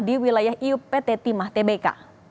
di wilayah iup pt timah tbk